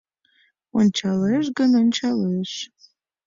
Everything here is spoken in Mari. Ончалеш гын, ончалеш